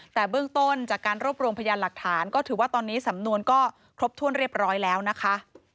แต่เบื้องต้นจากการรวบรวมพยานหลักฐานก็ถือว่าตอนนี้สำนวนก็ครบถ้วนเรียบร้อยแล้วนะคะ